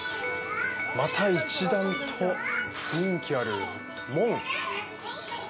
また一段と雰囲気ある門。